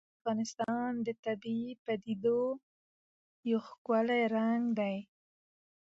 واوره د افغانستان د طبیعي پدیدو یو ښکلی رنګ دی.